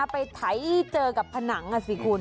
ไปถ่ายเจอกับผนังค่ะสิคุณ